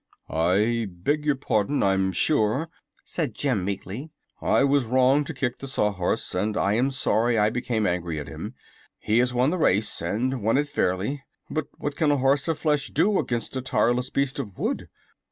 "I beg your pardon, I'm sure," said Jim, meekly. "I was wrong to kick the Sawhorse, and I am sorry I became angry at him. He has won the race, and won it fairly; but what can a horse of flesh do against a tireless beast of wood?"